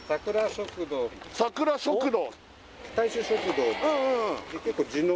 さくら食堂？